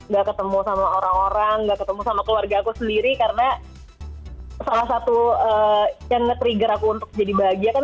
gak ketemu sama orang orang gak ketemu sama keluarga aku sendiri karena salah satu yang nge trigger aku untuk jadi bahagia kan